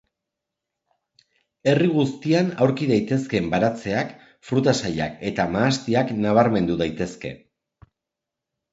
Herri guztian aurki daitezken baratzeak, fruta-sailak eta mahastiak nabarmendu daitezke.